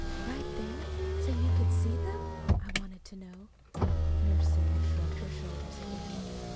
"Right then, so you could see them?" I wanted to know. Nurse Sarah shrugged her shoulders again.